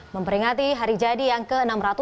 memperingati hari jadi yang ke enam ratus sembilan puluh